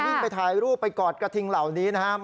ไปถ่ายรูปไปกอดกระทิงเหล่านี้นะครับ